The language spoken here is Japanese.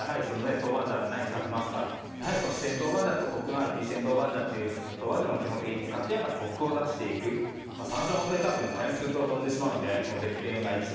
豆板醤何使ってますかってやはりその四川豆板醤とコクのあるピーシェン豆板醤っていう豆板醤も基本的に使ってやっぱコクを出していく山椒はホントにたぶん加熱すると飛んでしまうんでもう別添が一番